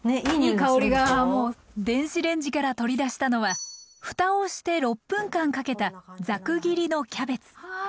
電子レンジから取り出したのは蓋をして６分間かけたざく切りのキャベツ。